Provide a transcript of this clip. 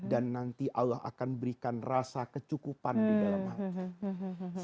dan nanti allah akan berikan rasa kecukupan di dalam hati